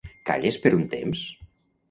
Calles per un temps?